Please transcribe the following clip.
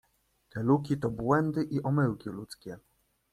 Te luki to błędy i omyłki ludzkie.